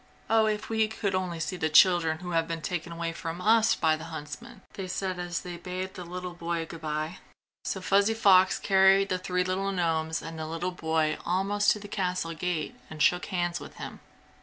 "Oh, if we could only see the children who have been taken away from us by the huntsmen!" they said as they bade the little boy goodbye. So Fuzzy Fox carried the three little gnomes and the little boy almost to the castle gate and shook hands with him.